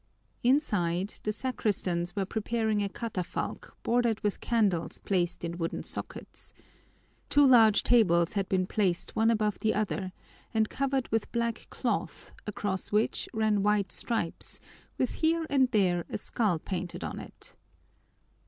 Inside, the sacristans were preparing a catafalque, bordered with candles placed in wooden sockets. Two large tables had been placed one above the other and covered with black cloth across which ran white stripes, with here and there a skull painted on it.